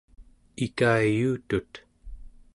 ikayuutut